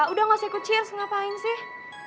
udah gak usah ikut cheers ngapain sih